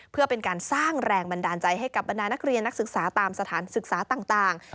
เพื่อเป็นการสร้างแรงบันดาลใจให้กับบรรดานักเรียนนักศึกษาตามสถานศึกษาต่าง